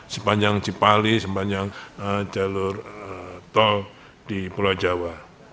sepanjang cipali sepanjang jalur tol di pulau jawa